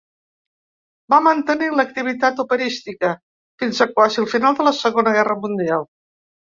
Va mantenir, l'activitat operística fins a quasi el final de la Segona Guerra Mundial.